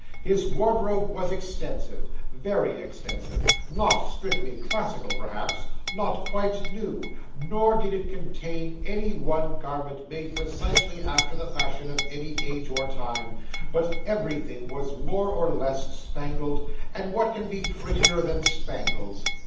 His wardrobe was extensive very extensive not strictly classical perhaps, not quite new, nor did it contain any one garment made precisely after the fashion of any age or time, but everything was more or less spangled; and what can be prettier than spangles!